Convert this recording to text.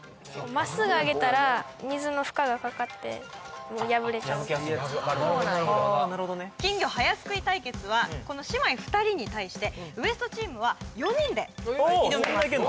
真っすぐあげたら水の負荷がかかってもう破れちゃう・破けやすいんだあなるほどね金魚早すくい対決はこの姉妹２人に対してＷＥＳＴチームは４人で挑みますおお！